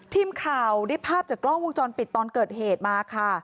ทีมข่าวได้ภาพจากกล้องวงจรปิดตอนเกิดเหตุมาค่ะ